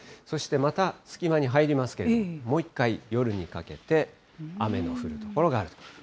そしてまた隙間に入りますけれども、もう一回、夜にかけて雨の降る所があると。